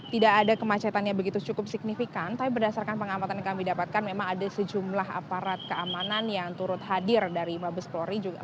tidak ada kemacetan yang begitu cukup signifikan tapi berdasarkan pengamatan yang kami dapatkan memang ada sejumlah aparat keamanan yang turut hadir dari mabes polri